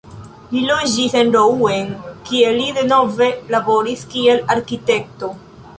Li loĝis en Rouen, kie li denove laboris kiel arkitekto.